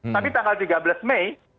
tapi tanggal tiga belas mei